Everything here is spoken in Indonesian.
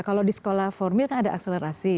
kalau di sekolah formil kan ada akselerasi